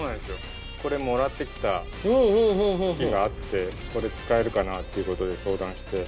これもらってきた木があってこれ使えるかなっていう事で相談して。